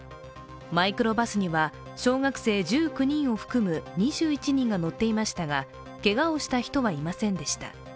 マイクロバスには、小学生１９人を含む２１人が乗っていましたがけがをした人はいませんでした。